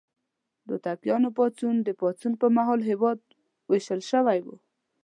د هوتکیانو پاڅون: د پاڅون پر مهال هېواد ویشل شوی و.